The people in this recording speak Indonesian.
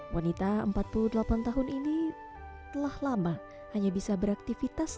wanita empat puluh delapan tahun ini telah lama hanya bisa beraktivitas